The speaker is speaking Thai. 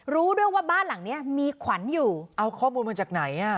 รู้ด้วยว่าบ้านหลังเนี้ยมีขวัญอยู่เอาข้อมูลมาจากไหนอ่ะ